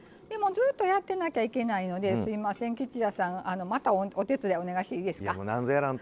ずっとやってないといけませんのですいません、吉弥さんまたお手伝いをお願いしていいですか。